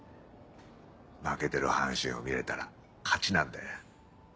負けてる阪神を見れたら勝ちなんだよ。